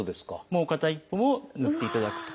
もう片一方もぬっていただくと。